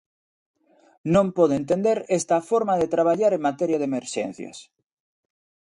Non podo entender esta forma de traballar en materia de emerxencias.